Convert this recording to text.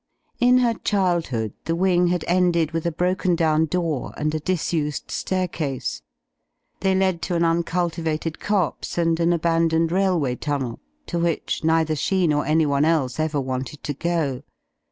In her childhood the wing had ended with a broken down door and a disused staircase. They led to an uncul tivated copse and an abandoned railway tunnel, to which neither she nor anyone else ever wanted to go.